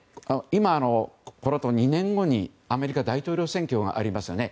このあと２年後にアメリカ大統領選挙がありますよね。